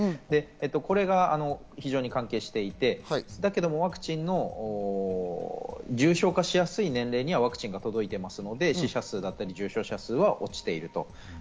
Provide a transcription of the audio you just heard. これが非常に関係していて、だけども重症化しやすい年齢にはワクチンが届いているので、重症者数や死者数は落ちている。